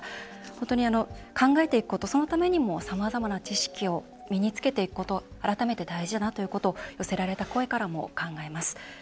本当に考えていくことそのためにもさまざまな知識を身につけていくこと、改めて大事だなということを寄せられた声からも考えます。